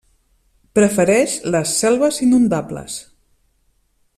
Prefereix les selves inundables.